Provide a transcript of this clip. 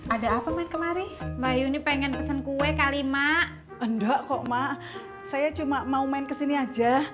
ada apa main kemari bayu nih pengen pesen kue kali mak ndak kok mak saya cuma mau main kesini aja